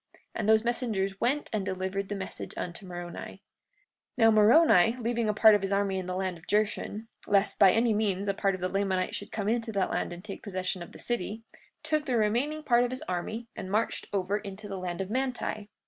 And those messengers went and delivered the message unto Moroni. 43:25 Now Moroni, leaving a part of his army in the land of Jershon, lest by any means a part of the Lamanites should come into that land and take possession of the city, took the remaining part of his army and marched over into the land of Manti.